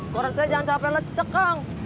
koran saya jangan capek lecek kang